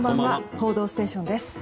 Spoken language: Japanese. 「報道ステーション」です。